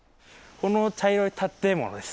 この茶色い建物です。